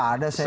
ah ada seri ya